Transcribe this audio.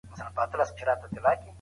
هېڅ نږدې ملګری ورسره مرسته نه کوي.